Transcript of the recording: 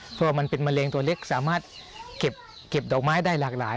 เพราะว่ามันเป็นมะเร็งตัวเล็กสามารถเก็บดอกไม้ได้หลากหลาย